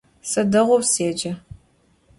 Se değou sece.